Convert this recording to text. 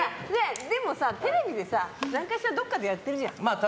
でもさ、テレビで何かしらどこかでやってるじゃん。